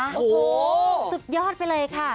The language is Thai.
โอ้โหสุดยอดไปเลยค่ะ